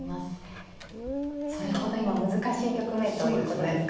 それほど今難しい局面ということですか。